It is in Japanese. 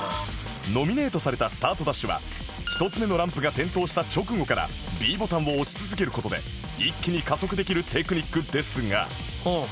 ノミネートされたスタートダッシュは１つ目のランプが点灯した直後から Ｂ ボタンを押し続ける事で一気に加速できるテクニックですが